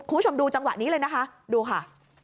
คุณผู้ชมดูจังหวะนี้เลยนะคะดูค่ะ